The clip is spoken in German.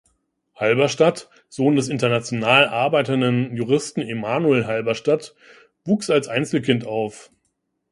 Halberstadt, Sohn des international arbeitenden Juristen Emmanuel Halberstadt, wuchs als Einzelkind auf.